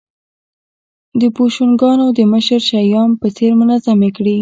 د بوشونګانو د مشر شیام په څېر منظمې کړې